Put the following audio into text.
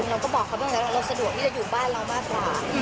เราก็บอกเขาบ้างแล้วเราสะดวกที่จะอยู่บ้านเรามากกว่า